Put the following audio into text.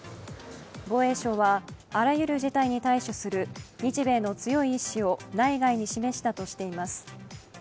防衛省は、あらゆる事態に対処する日米の強い意思を内外に示したとしています。